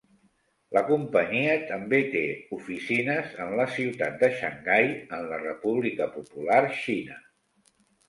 La companyia també té oficines en la ciutat de Xangai, en la República Popular Xina.